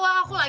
jangan lupa bu